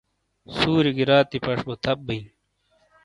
سُوری گی راتی پش بو تھپ بیئں۔